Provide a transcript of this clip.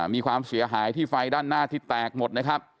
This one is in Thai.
มีความเสียหายที่ไฟด้านหน้าที่แตกหมดนะครับ